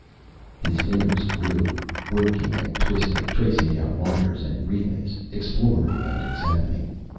His fingers flew, working and twisting, tracing down wires and relays, exploring and examining.